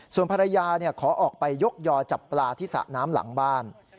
ส่วนภรรยาขอออกไปยกยอจับปลาที่สระน้ำหลังบ้าน